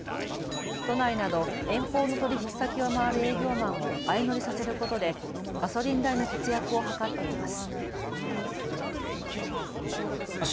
都内など遠方の取引先を回る営業マンを相乗りさせることでガソリン代の節約を図っています。